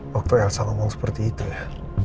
waktu elsa ngomong seperti itu ya